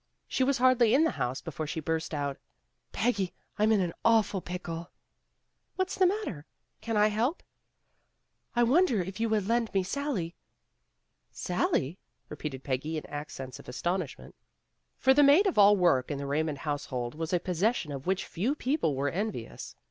She was hardly in the house before she burst out, " Peggy, I'm in an awful pickle." "What's the matter? Can I help!" "I wondered if you would lend me Sally." "Sally?" repeated Peggy in accents of astonishment. For the maid of all work in the Eaymond household was a possession of which few people were envious.